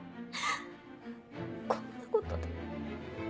こんなことで。